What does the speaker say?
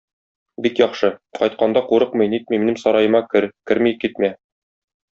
Бик яхшы, кайтканда курыкмый-нитми минем сараема кер, керми китмә.